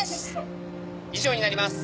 「以上になります」